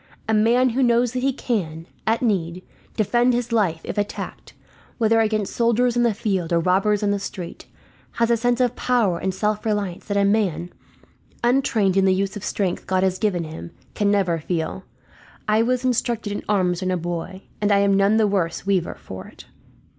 A man who knows that he can, at need, defend his life if attacked, whether against soldiers in the field or robbers in the street, has a sense of power and self reliance that a man, untrained in the use of the strength God has given him, can never feel. I was instructed in arms when a boy, and I am none the worse weaver for it.